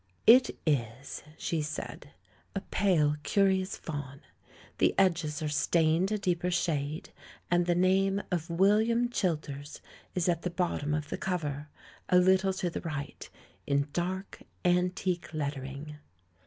"It is," she said, "a pale, curious fawn. The edges are stained a deeper shade, and the name of 'William Childers' is at the bottom of the cov er, a little to the right, in dark, antique lettering."